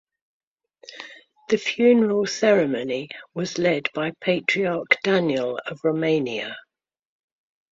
The funeral ceremony was led by Patriarch Daniel of Romania.